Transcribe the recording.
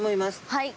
はい。